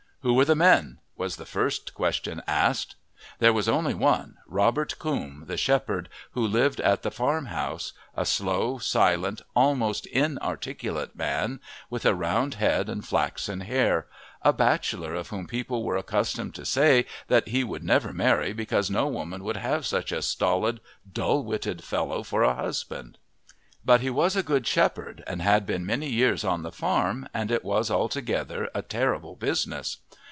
Who were the men? was the first question asked There was only one Robert Coombe, the shepherd, who lived at the farm house, a slow, silent, almost inarticulate man, with a round head and flaxen hair; a bachelor of whom people were accustomed to say that he would never marry because no woman would have such a stolid, dull witted fellow for a husband. But he was a good shepherd and had been many years on the farm, and it was altogether a terrible business.